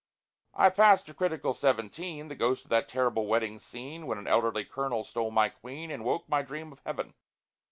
I pass to critical seventeen; The ghost of that terrible wedding scene, When an elderly Colonel stole my Queen, And woke my dream of heaven.